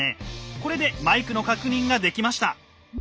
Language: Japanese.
これでマイクの確認ができました。